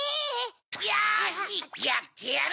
⁉よしやってやる！